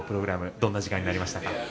どんな時間になりましたか？